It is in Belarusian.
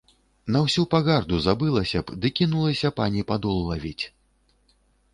На ўсю пагарду забылася б ды кінулася пані падол лавіць.